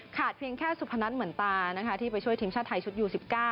ขาดเพียงแค่สุพนัทเหมือนตาที่ไปช่วยทิมชาไทยชุดยู๑๙